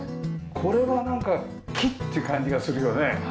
これがなんか木っていう感じがするよね。